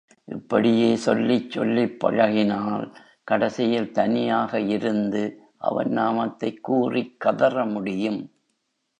இப்படியே சொல்லிச் சொல்லிப் பழகினால் கடைசியில் தனியாக இருந்து அவன் நாமத்தைக் கூறிக் கதற முடியும்.